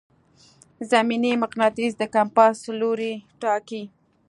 زمیني مقناطیس د کمپاس لوری ټاکي.